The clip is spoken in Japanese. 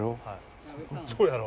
そうやろ？